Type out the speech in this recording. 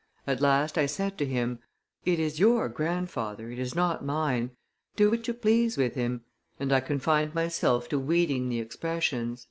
At last I said to him, 'It is your grandfather, it is not mine; do what you please with him,' and I confined myself to weeding the expressions."